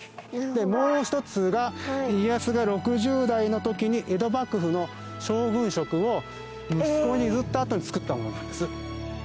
もう一つが家康が６０代の時に江戸幕府の将軍職を息子に譲ったあとに造ったものなんです。